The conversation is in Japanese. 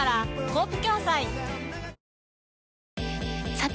さて！